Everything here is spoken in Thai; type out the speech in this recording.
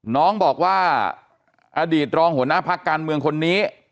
น้องบอกว่าอดีตรองหัวหน้าพักการเมืองคนนี้